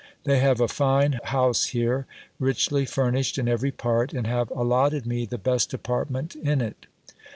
They have a fine house here, richly furnished in every part, and have allotted me the best apartment in it.